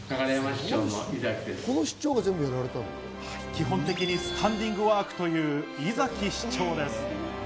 基本的にスタンディングワークという井崎市長です。